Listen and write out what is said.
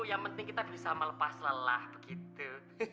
yang penting kita bisa melepas lelah begitu